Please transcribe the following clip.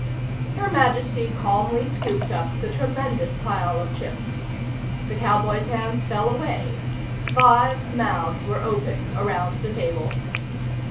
Her Majesty calmly scooped up the tremendous pile of chips. The cowboy's hands fell away. Five mouths were open around the table.